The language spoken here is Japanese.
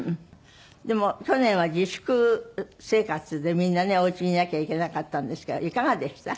でも去年は自粛生活でみんなねお家にいなきゃいけなかったんですけどいかがでした？